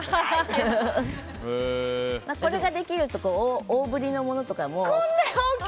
これができると大ぶりのものとかも。